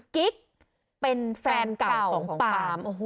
กิ๊กเป็นแฟนเก่าของปาล์ม